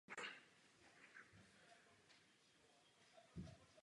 Bohuslav zastával řadu úřadů a výrazně rozšířil rodový majetek.